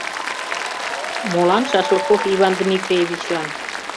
— Молан Шашлыков Иван Дмитриевичлан?